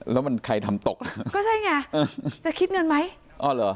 แล้วมันใครทำตกล่ะก็ใช่ไงเออจะคิดเงินไหมอ๋อเหรอ